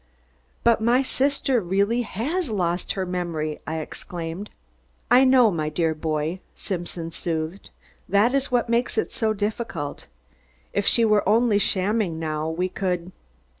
"But my sister really has lost her memory!" I exclaimed. "I know, my dear boy," Simpson soothed. "That is what makes it so difficult. If she were only shamming now, we could